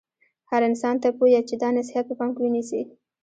هر انسان ته پویه چې دا نصحیت په پام کې ونیسي.